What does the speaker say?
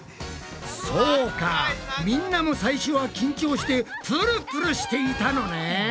そうかみんなも最初は緊張してプルプルしていたのね。